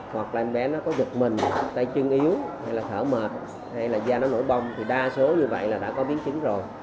hoặc là em bé nó có gục mình tay chân yếu hay là thở mệt hay là da nó nổi bông thì đa số như vậy là đã có biến chứng rồi